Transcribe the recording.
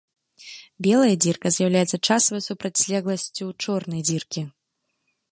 Белая дзірка з'яўляецца часавай супрацьлегласцю чорнай дзіркі.